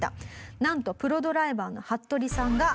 なんとプロドライバーの服部さんが。